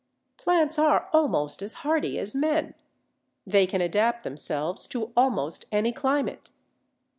Plants are almost as hardy as men; they can adapt themselves to almost any climate.